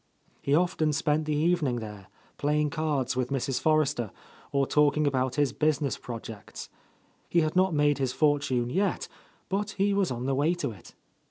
He often spent the evening there, playing cards with Mrs. Forrester or talking about his business pro jects. He had not made his fortune yet, but he was on the way to it.